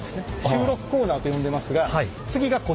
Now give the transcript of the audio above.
収録コーナーと呼んでますが次がこちら。